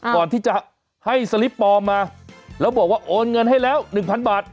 ก่อนที่จะให้สลิปปลอมมาแล้วบอกว่าโอนเงินให้แล้ว๑๐๐บาท